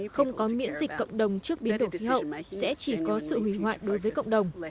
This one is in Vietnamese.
không có miễn dịch cộng đồng trước biến đổi khí hậu sẽ chỉ có sự hủy hoại đối với cộng đồng